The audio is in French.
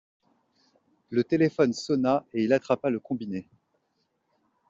Le téléphone sonna et il attrapa le combiné.